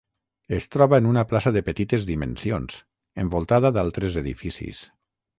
Es troba en una plaça de petites dimensions, envoltada d'altres edificis.